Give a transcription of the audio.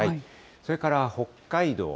それから北海道。